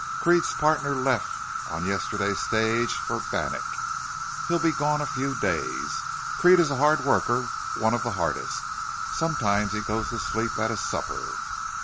Creede's partner left on yesterday's stage for Bannack. He'll be gone a few days. Creede is a hard worker one of the hardest. Sometimes he goes to sleep at his supper.